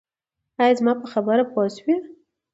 ایا زما په خبره پوه شوئ؟